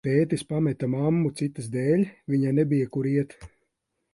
Tētis pameta mammu citas dēļ, viņai nebija, kur iet.